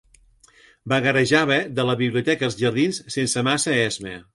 Vagarejava de la biblioteca als jardins sense massa esma.